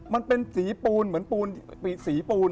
มันเป็นสีปูนเหมือนปูนสีปูน